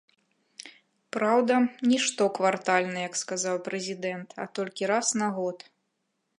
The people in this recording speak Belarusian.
Праўда, не штоквартальна, як сказаў прэзідэнт, а толькі раз на год.